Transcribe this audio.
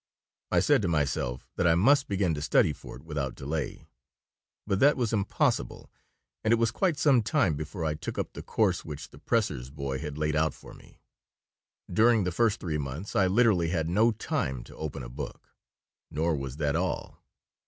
I said to myself that I must begin to study for it without delay. But that was impossible, and it was quite some time before I took up the course which the presser's boy had laid out for me. During the first three months I literally had no time to open a book. Nor was that all.